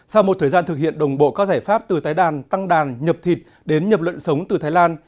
sau một thời gian thực hiện đồng bộ các giải pháp từ tái đàn tăng đàn nhập thịt đến nhập lợn sống từ thái lan